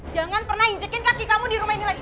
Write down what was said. jangan pernah injekin kaki kamu di rumah ini lagi